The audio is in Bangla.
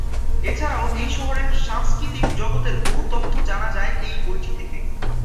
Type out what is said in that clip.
এছাড়াও এই শহরের সাংস্কৃতিক জগতের বহু তথ্য জানা যাই এই বইটি থেকে।